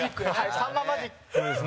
さんまマジックですね。